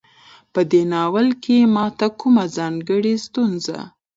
په دې ناول کې ماته کومه ځانګړۍ ستونزه